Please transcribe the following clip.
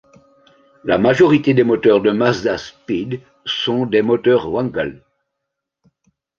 La majorité des moteurs de Mazdaspeed sont des moteurs Wankel.